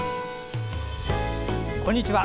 こんにちは。